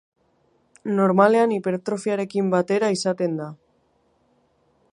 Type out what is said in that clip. Normalean hipertrofiarekin batera izaten da.